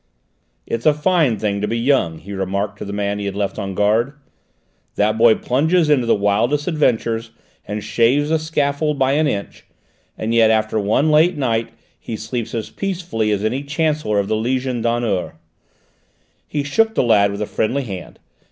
"It's a fine thing to be young," he remarked to the man he had left on guard; "that boy plunges into the wildest adventures and shaves the scaffold by an inch, and yet after one late night he sleeps as peacefully as any chancellor of the Legion of Honour!" He shook the lad with a friendly hand.